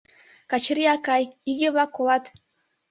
— Качырий акай, иге-влак колат!